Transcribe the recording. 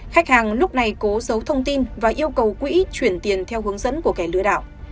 khách hàng lúc này cố giấu thông tin và yêu cầu quỹ chuyển tiền theo hướng dẫn của kẻ lừa đảo